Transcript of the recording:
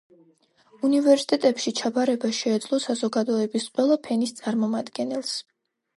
უნივერსიტეტებში ჩაბარება შეეძლო საზოგადოების ყველა ფენის წარმომადგენელს.